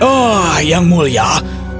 tidak ada hal yang penting untuk kau pikirkan